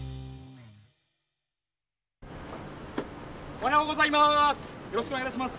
おはようございます！